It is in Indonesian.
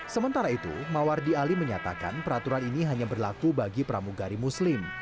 sementara itu mawardi ali menyatakan peraturan ini hanya berlaku bagi pramugari muslim